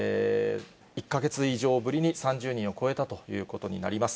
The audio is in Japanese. １か月以上ぶりに３０人を超えたということになります。